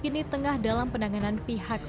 kini tengah dalam penanganan pihak